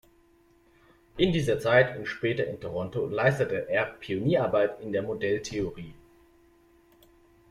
In dieser Zeit und später in Toronto leistete er Pionierarbeit in der Modelltheorie.